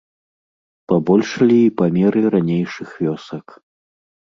Пабольшалі і памеры ранейшых вёсак.